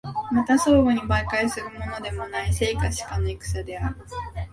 また相互に媒介するのでもない、生か死かの戦である。